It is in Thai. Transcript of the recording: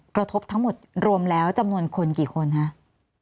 กระทบทั้งหมดรวมแล้วจำนวนคนกี่คนคะ